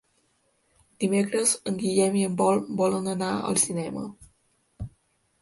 Dimecres en Guillem i en Pol volen anar al cinema.